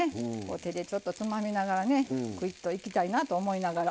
手でちょっとつまみながらねクイッといきたいなと思いながら。